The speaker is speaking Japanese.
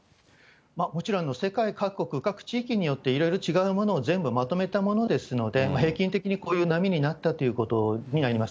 もちろん世界各国、各地域によっていろいろ違うものを全部まとめたものですので、平均的にこういう波になったということになります。